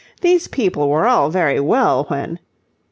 These people were all very well when..."